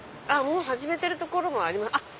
もう始めてるところもあります。